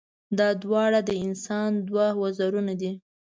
دا دواړه د انسان دوه وزرونه دي.